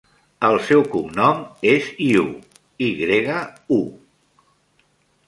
El seu cognom és Yu: i grega, u.